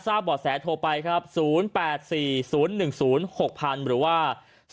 ทราบบ่อแสโทรไปครับ๐๘๔๐๑๐๖๐๐๐หรือว่า๐๓๖๒๑๑๐๑๔